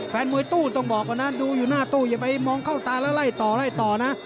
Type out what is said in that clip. แฟนมวยตู้ต้องบอกก่อนนะดูอยู่หน้าตู้อย่าไปมองเข้าตาแล้วไล่ต่อไล่ต่อนะ